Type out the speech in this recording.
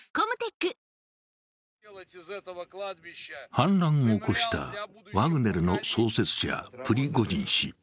反乱を起こしたワグネルの創設者プリゴジン氏。